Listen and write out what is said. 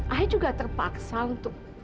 aku juga terpaksa untuk